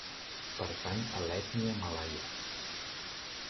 Pertany a l'ètnia malaia.